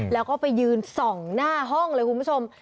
แล้วก็ไปยืนส่องหน้าห้องเลยคุณผู้ชม